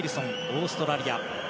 オーストラリア。